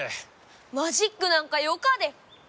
マジックなんかよかで聞いてよ！